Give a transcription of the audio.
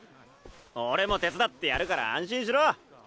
俺も手伝ってやるから安心しろ。